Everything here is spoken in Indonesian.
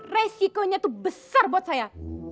resikonya itu besar buat saya